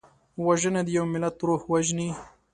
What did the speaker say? وژنه د یو ملت روح وژني